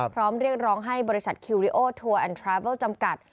เรียกร้องให้บริษัทคิวริโอทัวร์แอนทราเบิลจำกัด